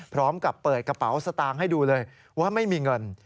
พร้อมกับเปิดกระเป๋าสตางค์ให้ดูเลยว่าไม่มีเงิน